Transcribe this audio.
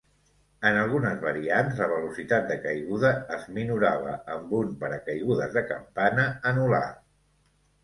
En algunes variants, la velocitat de caiguda es minorava amb un paracaigudes de campana anul·lar.